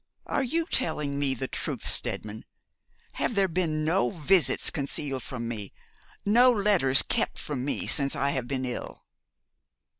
Are you telling me the truth, Steadman? Have there been no visits concealed from me, no letters kept from me since I have been ill?'